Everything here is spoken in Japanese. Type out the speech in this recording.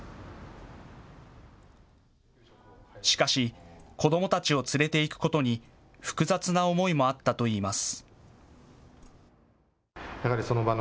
しかし子どもたちを連れて行くことに複雑な思いもあったといいます。